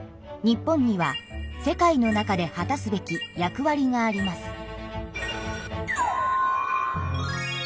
日本には世界の中で果たすべき役わりがあります。